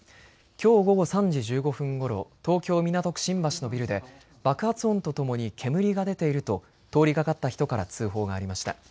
きょう午後３時１５分ごろ、東京港区新橋のビルで爆発音とともに煙が出ていると通りがかった人から通報がありました。